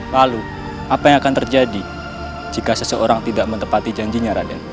lalu apa yang akan terjadi jika seseorang tidak menepati janjinya raden